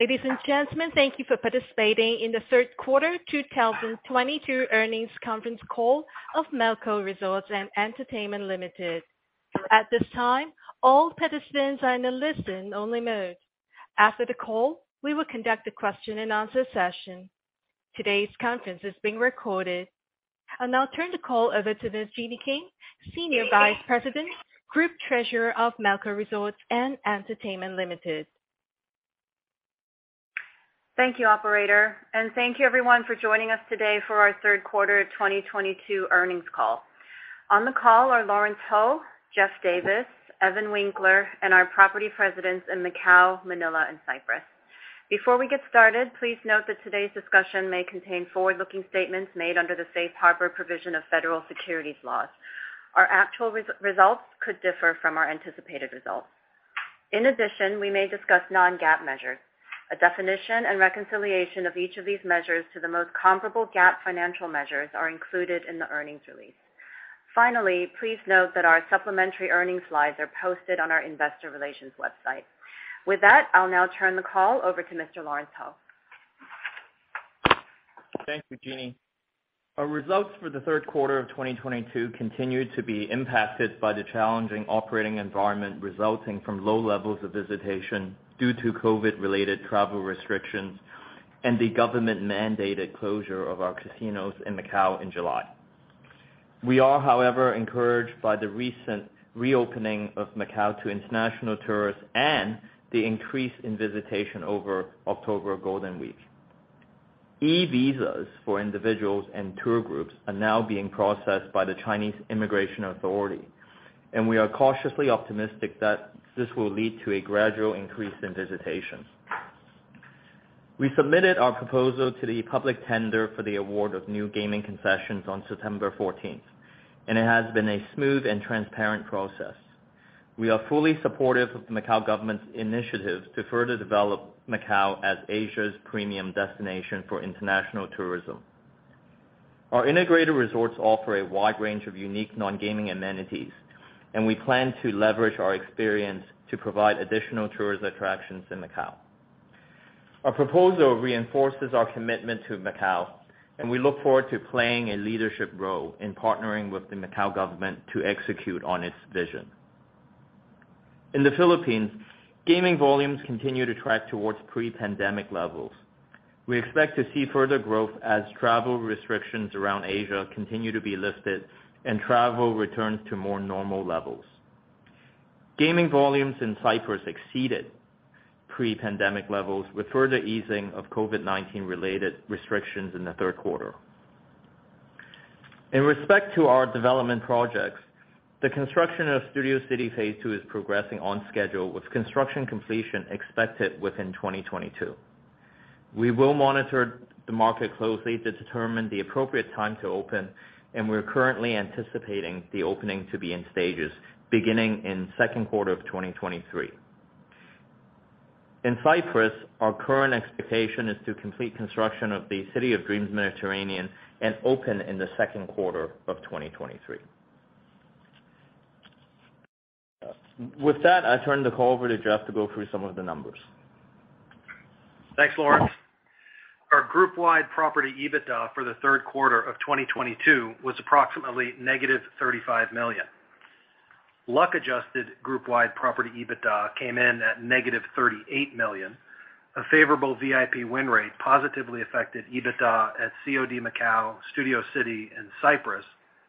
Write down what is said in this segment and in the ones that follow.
Ladies and gentlemen, thank you for participating in the third quarter 2022 earnings conference call of Melco Resorts & Entertainment Limited. At this time, all participants are in a listen only mode. After the call, we will conduct a question-and-answer session. Today's conference is being recorded. I'll now turn the call over to Ms. Jeanny Kim, Senior Vice President, Group Treasurer of Melco Resorts & Entertainment Limited. Thank you, operator, and thank you everyone for joining us today for our third quarter 2022 earnings call. On the call are Lawrence Ho, Geoff Davis, Evan Winkler, and our property presidents in Macau, Manila, and Cyprus. Before we get started, please note that today's discussion may contain forward-looking statements made under the safe harbor provision of federal securities laws. Our actual results could differ from our anticipated results. In addition, we may discuss non-GAAP measures. A definition and reconciliation of each of these measures to the most comparable GAAP financial measures are included in the earnings release. Finally, please note that our supplementary earnings slides are posted on our investor relations website. With that, I'll now turn the call over to Mr. Lawrence Ho. Thank you, Jeanny. Our results for the third quarter of 2022 continued to be impacted by the challenging operating environment resulting from low levels of visitation due to COVID-related travel restrictions and the government-mandated closure of our casinos in Macao in July. We are, however, encouraged by the recent reopening of Macao to international tourists and the increase in visitation over October Golden Week. eVisas for individuals and tour groups are now being processed by the Chinese immigration authority, and we are cautiously optimistic that this will lead to a gradual increase in visitations. We submitted our proposal to the public tender for the award of new gaming concessions on September 14, and it has been a smooth and transparent process. We are fully supportive of the Macao government's initiative to further develop Macao as Asia's premium destination for international tourism. Our integrated resorts offer a wide range of unique non-gaming amenities, and we plan to leverage our experience to provide additional tourist attractions in Macau. Our proposal reinforces our commitment to Macau, and we look forward to playing a leadership role in partnering with the Macau government to execute on its vision. In the Philippines, gaming volumes continue to track towards pre-pandemic levels. We expect to see further growth as travel restrictions around Asia continue to be lifted and travel returns to more normal levels. Gaming volumes in Cyprus exceeded pre-pandemic levels with further easing of COVID-19 related restrictions in the third quarter. In respect to our development projects, the construction of Studio City phase II is progressing on schedule, with construction completion expected within 2022. We will monitor the market closely to determine the appropriate time to open, and we're currently anticipating the opening to be in stages, beginning in second quarter of 2023. In Cyprus, our current expectation is to complete construction of the City of Dreams Mediterranean and open in the second quarter of 2023. With that, I turn the call over to Geoff to go through some of the numbers. Thanks, Lawrence. Our group-wide property EBITDA for the third quarter of 2022 was approximately -$35 million. Luck-adjusted group-wide property EBITDA came in at -$38 million. A favorable VIP win rate positively affected EBITDA at COD Macau, Studio City, and Cyprus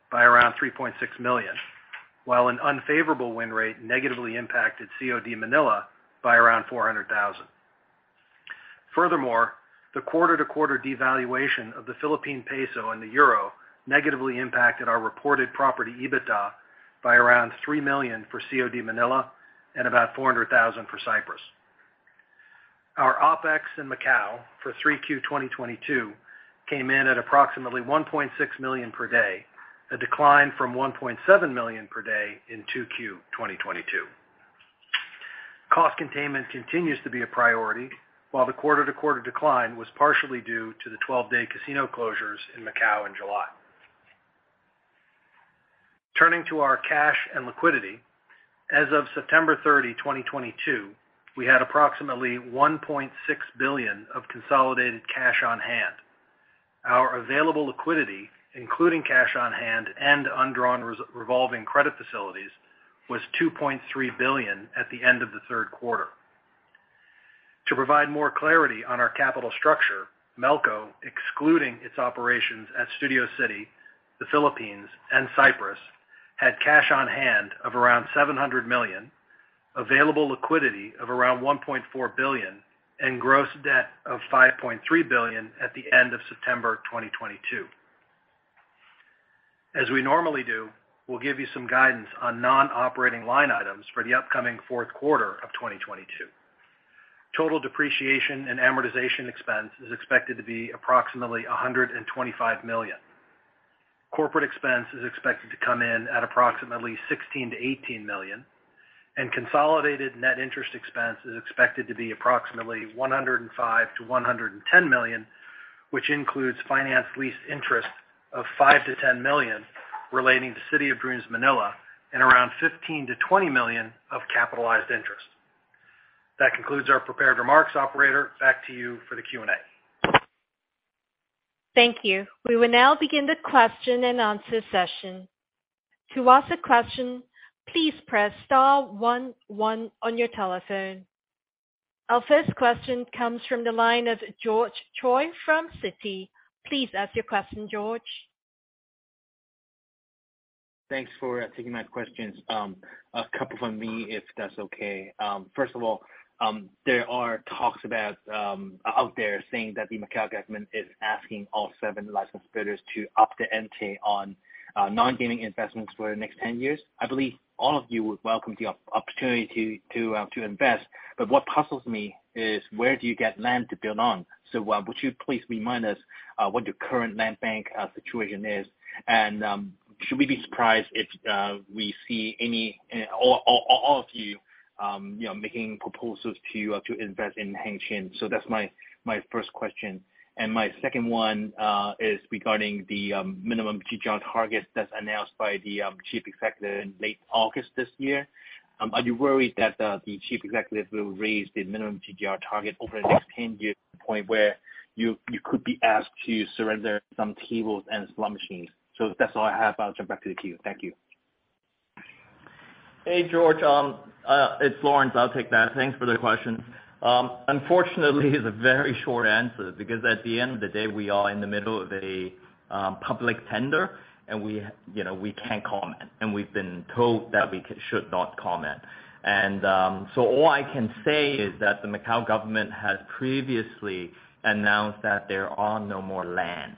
by around $3.6 million, while an unfavorable win rate negatively impacted COD Manila by around $400,000. Furthermore, the quarter-to-quarter devaluation of the Philippine peso and the euro negatively impacted our reported property EBITDA by around $3 million for COD Manila and about $400,000 for Cyprus. Our OpEx in Macau for 3Q 2022 came in at approximately $1.6 million per day, a decline from $1.7 million per day in 2Q 2022. Cost containment continues to be a priority, while the quarter-to-quarter decline was partially due to the 12-day casino closures in Macau in July. Turning to our cash and liquidity, as of September 30, 2022, we had approximately $1.6 billion of consolidated cash on hand. Our available liquidity, including cash on hand and undrawn revolving credit facilities, was $2.3 billion at the end of the third quarter. To provide more clarity on our capital structure, Melco, excluding its operations at Studio City, the Philippines, and Cyprus, had cash on hand of around $700 million, available liquidity of around $1.4 billion, and gross debt of $5.3 billion at the end of September 2022. As we normally do, we'll give you some guidance on non-operating line items for the upcoming fourth quarter of 2022. Total depreciation and amortization expense is expected to be approximately $125 million. Corporate expense is expected to come in at approximately $16 million-$18 million, and consolidated net interest expense is expected to be approximately $105 million-$110 million, which includes finance lease interest of $5 million-$10 million relating to City of Dreams Manila, and around $15 million-$20 million of capitalized interest. That concludes our prepared remarks. Operator, back to you for the Q&A. Thank you. We will now begin the question-and-answer session. To ask a question, please press star one one on your telephone. Our first question comes from the line of George Choi from Citi. Please ask your question, George. Thanks for taking my questions. A couple from me, if that's okay. First of all, there are talks about out there saying that the Macau government is asking all seven licensed bidders to up the ante on nongaming investments for the next ten years. I believe all of you would welcome the opportunity to invest, but what puzzles me is where do you get land to build on? Would you please remind us what your current land bank situation is? Should we be surprised if we see all of you know making proposals to invest in Hengqin? That's my first question. My second one is regarding the minimum GGR targets that's announced by the chief executive in late August this year. Are you worried that the chief executive will raise the minimum GGR target over the next 10 years to the point where you could be asked to surrender some tables and slot machines? That's all I have. I'll jump back to the queue. Thank you. Hey, George, it's Lawrence. I'll take that. Thanks for the question. Unfortunately, it's a very short answer because at the end of the day, we are in the middle of a public tender, and we, you know, we can't comment, and we've been told that we should not comment. So all I can say is that the Macau government has previously announced that there are no more land.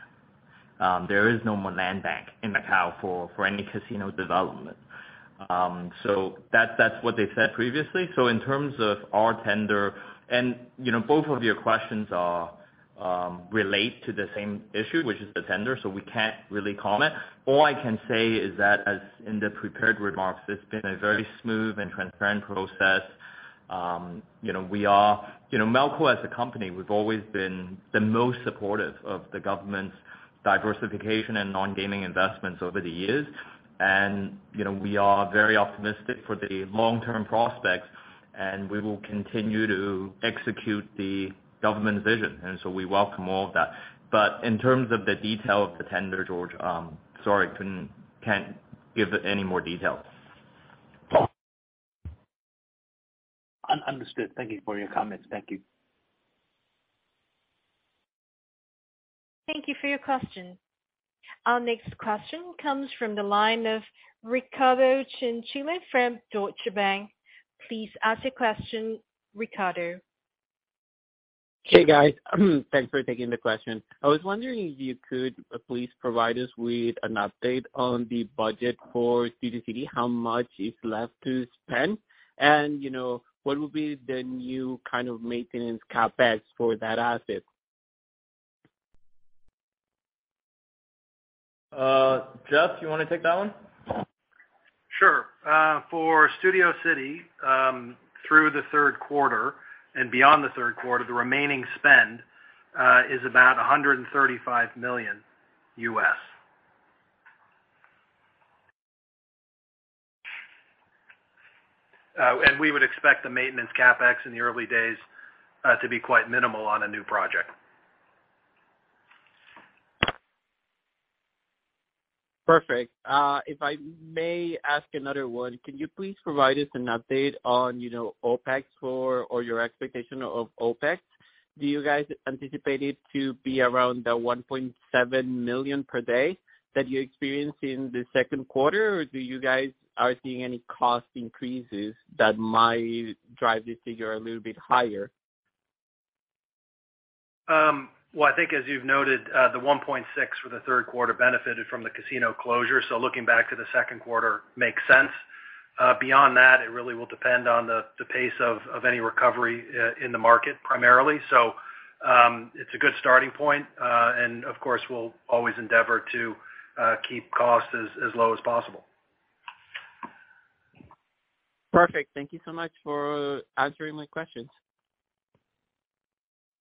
There is no more land bank in Macau for any casino development. That's what they said previously. In terms of our tender and, you know, both of your questions are related to the same issue, which is the tender, so we can't really comment. All I can say is that, as in the prepared remarks, it's been a very smooth and transparent process. You know, Melco as a company, we've always been the most supportive of the government's diversification and nongaming investments over the years. You know, we are very optimistic for the long-term prospects, and we will continue to execute the government's vision. We welcome all of that. In terms of the detail of the tender, George, sorry, can't give any more details. Understood. Thank you for your comments. Thank you. Thank you for your question. Our next question comes from the line of Ricardo Chinchilla from Deutsche Bank. Please ask your question, Ricardo. Hey, guys. Thanks for taking the question. I was wondering if you could please provide us with an update on the budget for Studio City, how much is left to spend, and, you know, what will be the new kind of maintenance CapEx for that asset? Geoff, you wanna take that one? Sure. For Studio City, through the third quarter and beyond the third quarter, the remaining spend is about $135 million. We would expect the maintenance CapEx in the early days to be quite minimal on a new project. Perfect. If I may ask another one, can you please provide us an update on, you know, OpEx, or your expectation of OpEx? Do you guys anticipate it to be around the $1.7 million per day that you experienced in the second quarter, or do you guys are seeing any cost increases that might drive the figure a little bit higher? Well, I think as you've noted, the $1.6 million for the third quarter benefited from the casino closure, so looking back to the second quarter makes sense. Beyond that, it really will depend on the pace of any recovery in the market primarily. It's a good starting point. Of course, we'll always endeavor to keep costs as low as possible. Perfect. Thank you so much for answering my questions.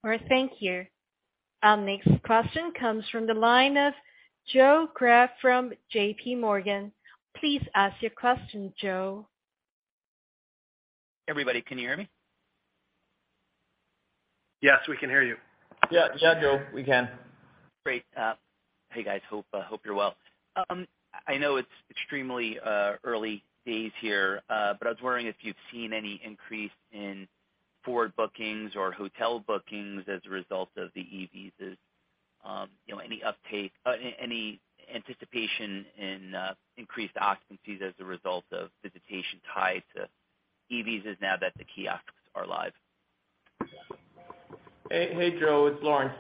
All right. Thank you. Our next question comes from the line of Joe Greff from JP Morgan. Please ask your question, Joe. Everybody, can you hear me? Yes, we can hear you. Yeah. Yeah, Joe, we can. Great. Hey, guys. Hope you're well. I know it's extremely early days here, but I was wondering if you've seen any increase in forward bookings or hotel bookings as a result of the eVisas, you know, any anticipation in increased occupancies as a result of visitation tied to eVisas now that the kiosks are live. Hey, Joe, it's Lawrence.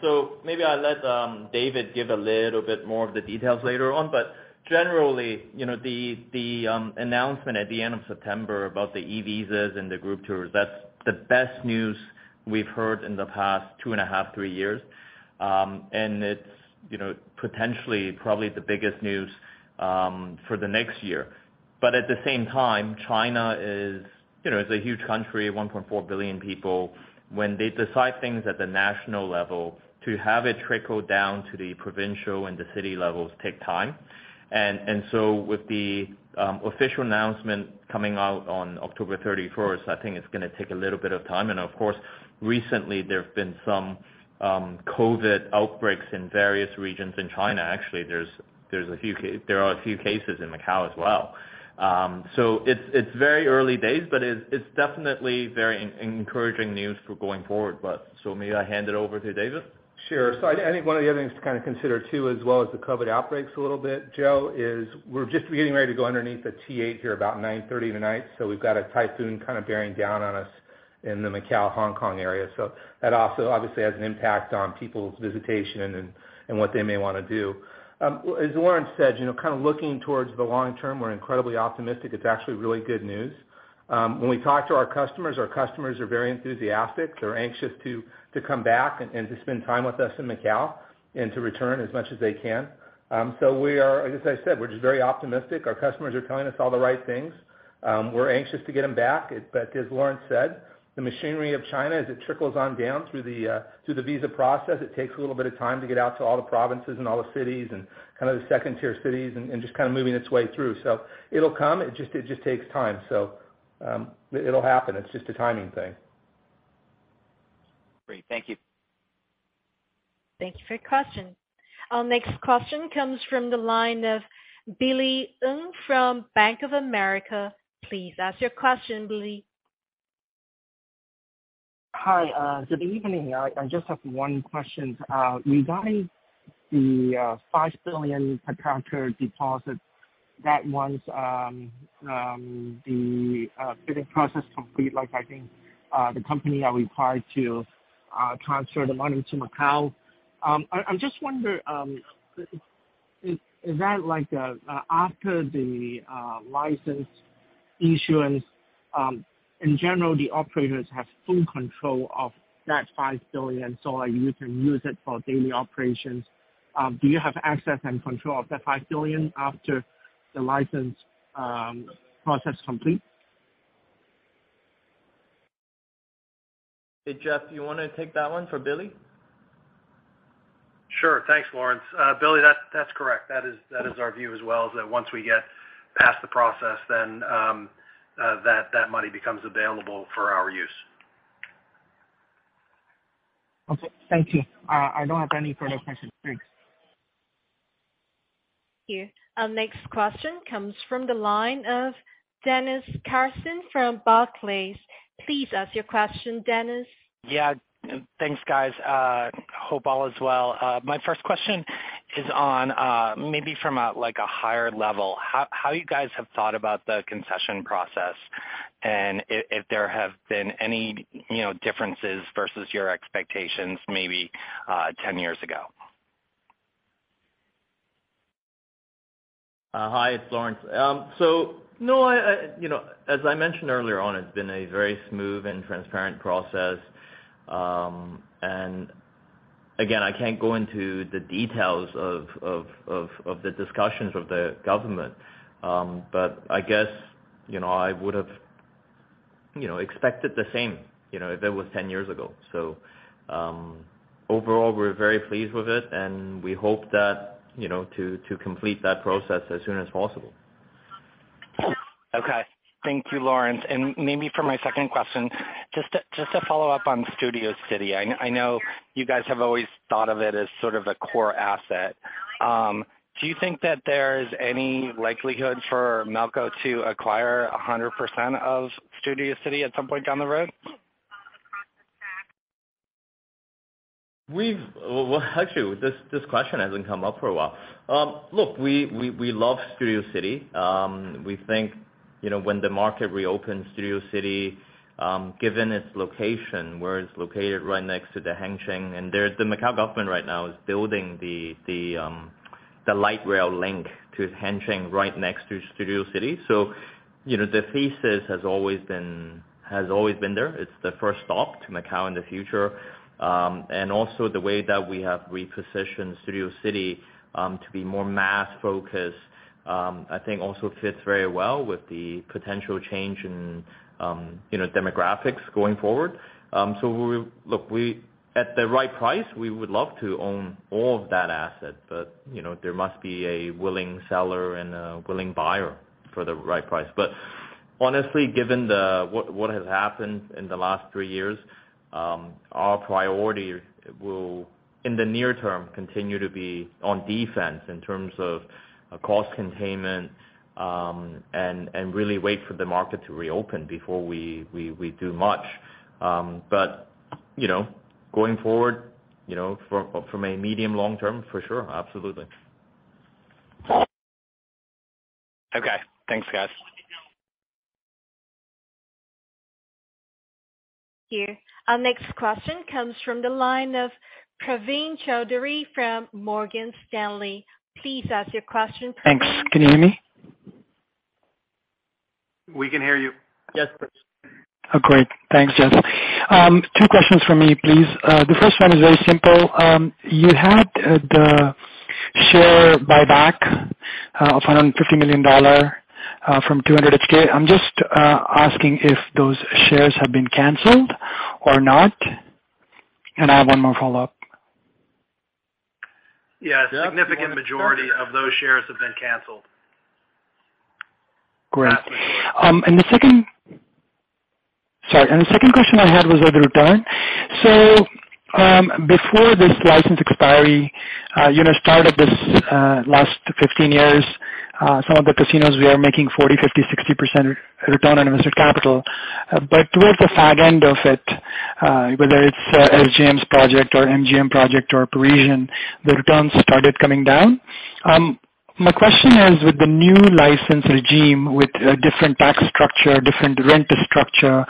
Maybe I'll let David give a little bit more of the details later on. Generally, you know, the announcement at the end of September about the eVisas and the group tours, that's the best news we've heard in the past two in a half, three years. It's, you know, potentially probably the biggest news for the next year. At the same time, China is, you know, a huge country, 1.4 billion people. When they decide things at the national level, to have it trickle down to the provincial and the city levels take time. With the official announcement coming out on October 31st, I think it's gonna take a little bit of time. Of course, recently there have been some COVID outbreaks in various regions in China. Actually, there are a few cases in Macau as well. It's very early days, but it's definitely very encouraging news for going forward, but. Maybe I hand it over to David. Sure. I think one of the other things to kind of consider too, as well as the COVID outbreaks a little bit, Joe Greff, is we're just getting ready to go underneath a T8 here about 9:30 P.M. tonight, so we've got a typhoon kind of bearing down on us in the Macau, Hong Kong area. That also obviously has an impact on people's visitation and then what they may wanna do. As Lawrence Ho said, you know, kind of looking towards the long term, we're incredibly optimistic. It's actually really good news. When we talk to our customers, our customers are very enthusiastic. They're anxious to come back and to spend time with us in Macau and to return as much as they can. We are, as I said, just very optimistic. Our customers are telling us all the right things. We're anxious to get them back. As Lawrence said, the machinery of China, as it trickles on down through the visa process, it takes a little bit of time to get out to all the provinces and all the cities and kind of the second-tier cities and just kind of moving its way through. It'll come. It just takes time. It'll happen. It's just a timing thing. Great. Thank you. Thank you for your question. Our next question comes from the line of Billy Ng from Bank of America. Please ask your question, Billy. Hi, good evening. I just have one question. Regarding the $5 billion per counter deposit that once the bidding process complete, like I think the company are required to transfer the money to Macau. I'm just wonder, is that like after the license issuance, in general, the operators have full control of that $5 billion, so you can use it for daily operations. Do you have access and control of that $5 billion after the license process complete? Hey, Geoff, you wanna take that one for Billy? Sure. Thanks, Lawrence. Billy, that's correct. That is our view as well, is that once we get past the process, then that money becomes available for our use. Okay. Thank you. I don't have any further questions. Thanks. Thank you. Our next question comes from the line of Dennis Carson from Barclays. Please ask your question, Dennis. Yeah. Thanks, guys. Hope all is well. My first question is on, maybe from a, like, a higher level, how you guys have thought about the concession process and if there have been any, you know, differences versus your expectations maybe, ten years ago? Hi, it's Lawrence. No, you know, as I mentioned earlier on, it's been a very smooth and transparent process. Again, I can't go into the details of the discussions with the government. I guess, you know, I would've, you know, expected the same, you know, if it was ten years ago. Overall, we're very pleased with it, and we hope that, you know, to complete that process as soon as possible. Okay. Thank you, Lawrence. Maybe for my second question, just to follow up on Studio City, I know you guys have always thought of it as sort of a core asset. Do you think that there's any likelihood for Melco to acquire 100% of Studio City at some point down the road? Well, actually, this question hasn't come up for a while. Look, we love Studio City. We think, you know, when the market reopens, Studio City, given its location, where it's located right next to the Hengqin, and the Macao government right now is building the light rail link to Hengqin right next to Studio City. You know, the thesis has always been there. It's the first stop to Macao in the future. And also, the way that we have repositioned Studio City to be more mass focused, I think also fits very well with the potential change in, you know, demographics going forward. At the right price, we would love to own all of that asset, but you know, there must be a willing seller and a willing buyer for the right price. Honestly, given what has happened in the last three years, our priority will, in the near term, continue to be on defense in terms of cost containment, and really wait for the market to reopen before we do much. You know, going forward, you know, from a medium long term, for sure. Absolutely. Okay. Thanks, guys. Thank you. Our next question comes from the line of Praveen Choudhary from Morgan Stanley. Please ask your question, Praveen. Thanks. Can you hear me? We can hear you. Yes, please. Oh, great. Thanks, Geoff. Two questions from me, please. The first one is very simple. You had the share buyback of $150 million from 200. I'm just asking if those shares have been canceled or not, and I have one more follow-up. Yeah. A significant majority of those shares have been canceled. Great. The second question I had was on the return. Before this license expiry started, you know, this last 15 years, some of the casinos were making 40%, 50%, 60% return on invested capital. Towards the far end of it, whether it's SJM's project or MGM project or Parisian, the returns started coming down. My question is with the new license regime, with a different tax structure, different rent structure,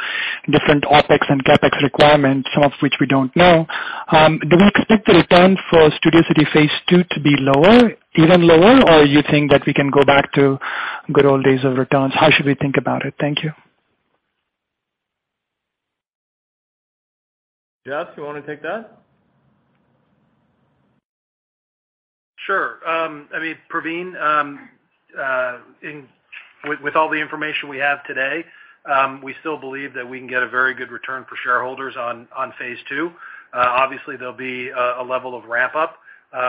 different OpEx and CapEx requirements, some of which we don't know, do we expect the return for Studio City phase II to be lower, even lower or you think that we can go back to good old days of returns? How should we think about it? Thank you. Geoff, do you wanna take that? Sure. I mean, Praveen, with all the information we have today, we still believe that we can get a very good return for shareholders on phase 2. Obviously, there'll be a level of ramp up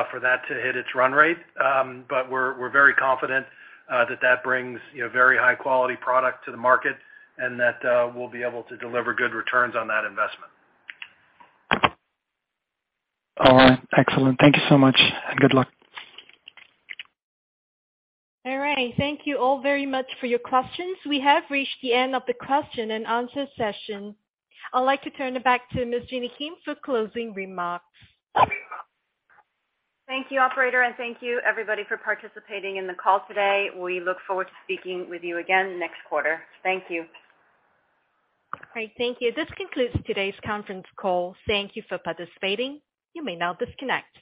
for that to hit its run rate. We're very confident that brings, you know, very high quality product to the market and that we'll be able to deliver good returns on that investment. All right. Excellent. Thank you so much, and good luck. All right. Thank you all very much for your questions. We have reached the end of the question and answer session. I'd like to turn it back to Ms. Jeanny Kim for closing remarks. Thank you, operator, and thank you everybody for participating in the call today. We look forward to speaking with you again next quarter. Thank you. All right. Thank you. This concludes today's conference call. Thank you for participating. You may now disconnect.